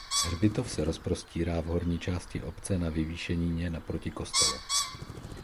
Hřbitov se rozprostírá v horní části obce na vyvýšenině naproti kostelu.